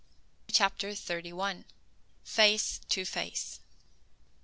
CHAPTER THIRTY ONE. FACE TO FACE.